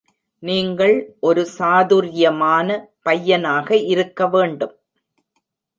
நீங்கள் ஒரு சாதுர்யமான பையனாக இருக்க வேண்டும்!